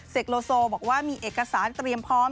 โลโซบอกว่ามีเอกสารเตรียมพร้อม